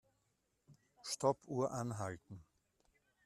Stoppuhr anhalten.